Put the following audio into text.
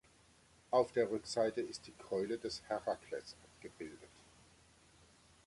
Auf der Rückseite ist die Keule des Herakles abgebildet.